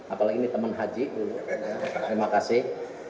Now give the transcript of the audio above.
apalagi ini teman haji terima kasih